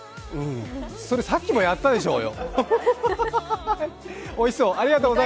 それ、さっきもやったでしょうよ。